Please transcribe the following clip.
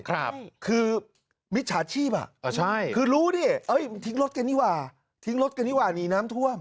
คือมิจฉาชีพอ่ะคือรู้ดิทิ้งรถกันนี่หว่าทิ้งรถกันนี่หว่านี่น้ำท่วม